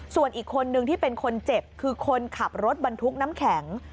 ส่วนอีกคนนึงที่เป็นคนเจ็บคือคนขับรถบรรทุกน้ำแข็ง